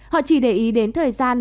họ chỉ để ý đến thời gian